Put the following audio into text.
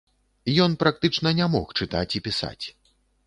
Ён практычна не мог чытаць і пісаць.